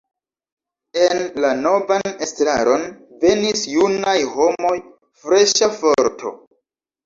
En la novan estraron venis junaj homoj, freŝa forto.